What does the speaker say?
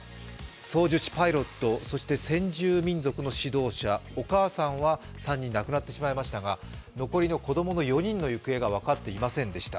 操縦士、パイロット、そして先住民族の指導者お母さんは３人、亡くなってしまいましたが残りの子供の４人の行方が分かっていませんでした。